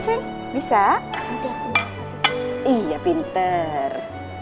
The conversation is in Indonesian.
bisa nanti aku bawa satu iya pinter